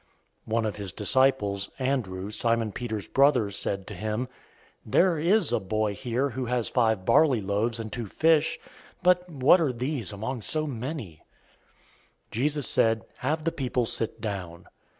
006:008 One of his disciples, Andrew, Simon Peter's brother, said to him, 006:009 "There is a boy here who has five barley loaves and two fish, but what are these among so many?" 006:010 Jesus said, "Have the people sit down."